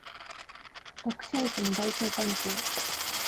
特性値の大小関係